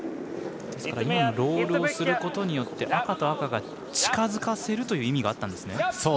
ロールをすることによって赤と赤が近づかせるという意味があったんですね。